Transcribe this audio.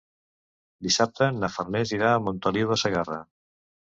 Dissabte na Farners irà a Montoliu de Segarra.